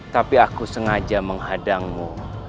tapi aku sengaja menghadangmu